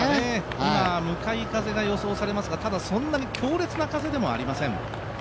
今、向かい風が予想されますが、ただそんなに強烈な風でもありません。